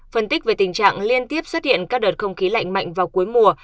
phân tích về tình trạng liên tiếp xuất hiện các đợt không khí lạnh mạnh vào cuối mùa